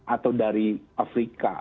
atau dari afrika